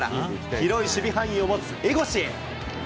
広い守備範囲を持つ江越。